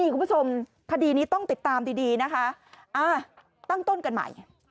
คุณผู้ชมคดีนี้ต้องติดตามดีดีนะคะตั้งต้นกันใหม่